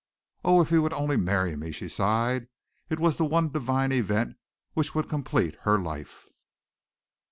"Oh, if he would only marry me," she sighed. It was the one divine event which would complete her life.